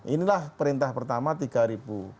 inilah perintah pertama tiga ribu